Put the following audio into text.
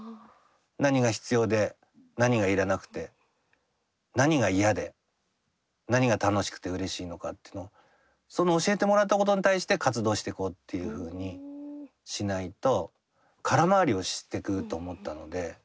何が必要で何が要らなくて何が嫌で何が楽しくてうれしいのかっていうのをその教えてもらったことに対して活動してこうっていうふうにしないと空回りをしてくと思ったので。